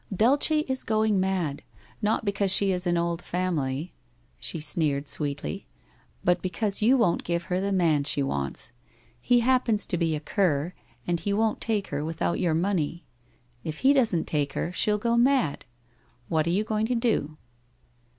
Dulce is going mad — not because she is an old family,' she sneered sweetly, ' but because you won't give her the man she wants. He happens to be a cur, and he won't take her without your money. If he doesn't take her, she'll go mad. What are you going to do?